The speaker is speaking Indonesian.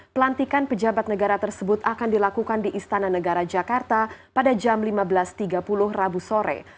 pelantikan pejabat negara tersebut akan dilakukan di istana negara jakarta pada jam lima belas tiga puluh rabu sore